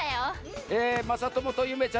えまさともとゆめちゃん